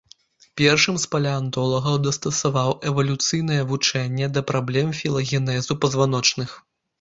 Першым з палеантолагаў дастасаваў эвалюцыйнае вучэнне да праблем філагенезу пазваночных.